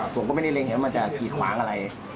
ผมก็ไม่ได้เล็งเห็นว่ามันจะกีดขวางอะไร